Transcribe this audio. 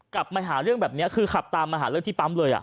กลับมาหาเรื่องแบบนี้คือขับตามมาหาเรื่องที่ปั๊มเลย